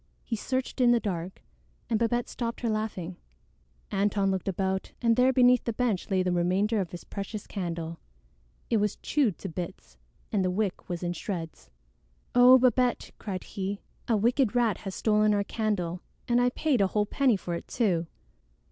He searched in the dark, and Babette stopped her laughing. Antone looked about, and there beneath the bench lay the remainder of his precious candle. It was chewed to bits, and the wick was in shreds. "Oh, Babette!" cried he. "A wicked rat has stolen our candle, and I paid a whole penny for it too!"